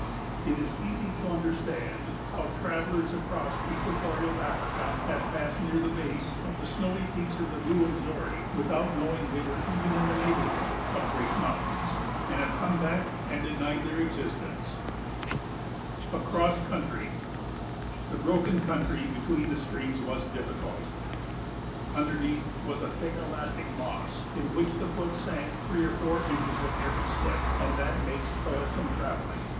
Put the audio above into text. It is easy to understand how travellers across equatorial Africa have passed near the base of the snowy peaks of Ruwenzori without knowing they were even in the neighborhood of great mountains, and have come back and denied their existence. [Sidenote: Across Country] The broken country between the streams was difficult. Underneath was a thick elastic moss in which the foot sank three or four inches at every step and that makes toilsome travelling.